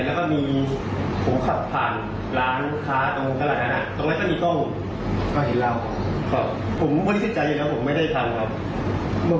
แล้วก็มีผมขับผ่านร้านค้าตรงกระดานอ่ะตรงนั้นก็มีข้อ๖